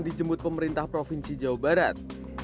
dijemput pemerintah provinsi jawa barat